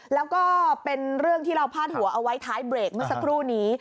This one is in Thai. แล้วก็เป็นเรื่องที่เราพาดหัวเอาไว้ท้ายเบรกเมื่อสักครู่นี้